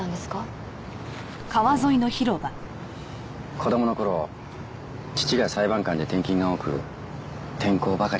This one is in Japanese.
子供の頃父が裁判官で転勤が多く転校ばかりしていました。